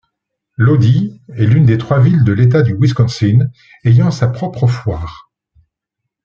Lodi est l'une des trois villes de l'État du Wisconsin ayant sa propre foire.